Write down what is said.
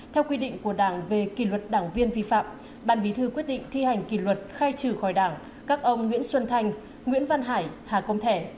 theo quy định của đảng về kỷ luật đảng viên vi phạm ban bí thư quyết định thi hành kỷ luật khai trừ khỏi đảng các ông nguyễn xuân thành nguyễn văn hải hà công thẻ